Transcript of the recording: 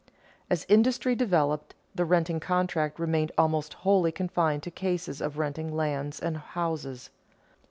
_As industry developed, the renting contract remained almost wholly confined to cases of renting lands and houses.